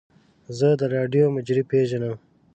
زه د راډیو مجری پیژنم.